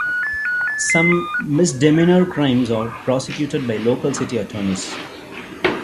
Some misdemeanor crimes are prosecuted by local city attorneys.